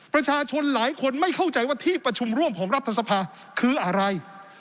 ประชาชนหลายคนไม่เข้าใจว่าที่ประชุมร่วมของรัฐสภาคืออะไร